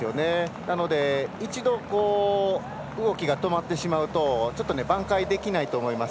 なので、一度動きが止まってしまうと挽回できないと思います。